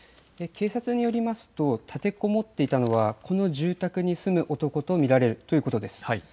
警察によりますと立てこもっていたのはこの住宅に住む男ということです。